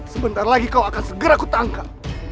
sebentar lagi kau akan segera kutangkap